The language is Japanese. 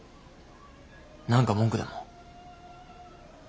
何か文句でも？